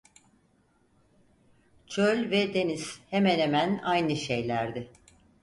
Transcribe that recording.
Çöl ve deniz hemen hemen aynı şeylerdi.